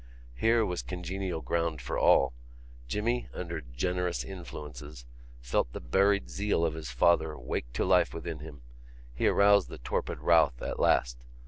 Here was congenial ground for all. Jimmy, under generous influences, felt the buried zeal of his father wake to life within him: he aroused the torpid Routh at last.